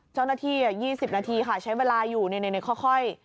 เจ้าหน้าที่อ่ะยี่สิบนาทีค่ะใช้เวลาอยู่ในในในค่อยค่อย